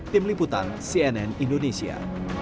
tim liputan cnn indonesia